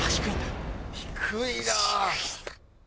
低いな。